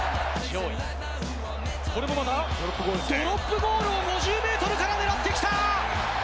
これもまたドロップゴールを５０ｍから狙ってきた！